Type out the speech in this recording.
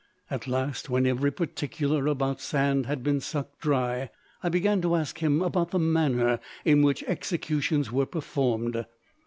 At last, when every particular about Sand had been sucked dry, I began to ask him about the manner in which executions were performed.